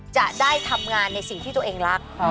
จะได้ทำงานในสิ่งที่ตัวเองรัก